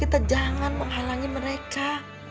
kita jangan menghalangi mereka